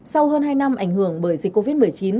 sau hơn hai năm ảnh hưởng bởi dịch covid một mươi chín